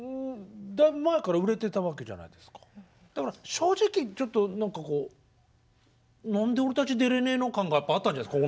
正直ちょっと何かこう「何で俺たち出れねえの？感」があったんじゃないですか？